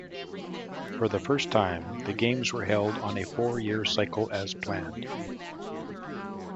For the first time the Games were held on a four-year cycle as planned.